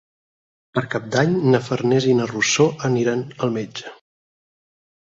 Per Cap d'Any na Farners i na Rosó aniran al metge.